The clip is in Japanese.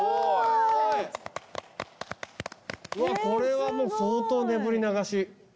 これはもう相当ねぶり流し。